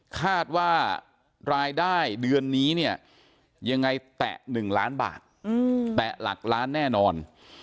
คาดว่ารายได้เดือนนี้เนี่ยยังไงแตะ๑ล้านบาทแตะหลักล้านแน่นอน